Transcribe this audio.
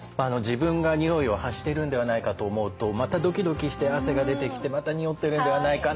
自分がにおいを発しているんではないかと思うとまたドキドキして汗が出てきてまたにおってるんではないか。